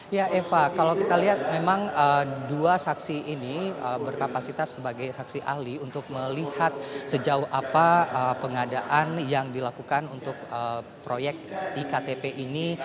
ya eva kalau kita lihat memang dua saksi ini berkapasitas sebagai saksi ahli untuk melihat sejauh apa pengadaan yang dilakukan untuk proyek iktp ini